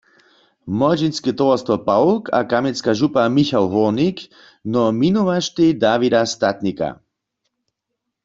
Młodźinske towarstwo Pawk a Kamjenska župa "Michał Hórnik" nominowaštej Dawida Statnika.